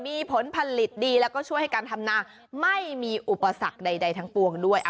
มีผลผลิตดีแล้วก็ช่วยให้การทำนาไม่มีอุปสรรคใดทั้งปวงด้วย